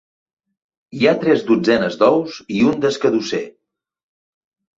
Hi ha tres dotzenes d'ous i un d'escadusser.